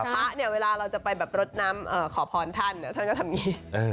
พระเนี่ยเวลาเราจะไปแบบรดน้ำขอพรท่านท่านก็ทำอย่างนี้